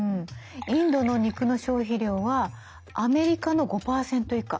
インドの肉の消費量はアメリカの５％以下。